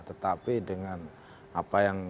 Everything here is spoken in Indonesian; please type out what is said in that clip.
tetapi dengan apa yang